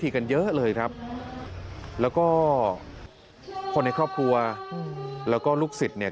ก็พวกในครอบครัวและลูกสิทธิ์